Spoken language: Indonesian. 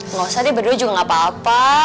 nggak usah deh berdua juga nggak apa apa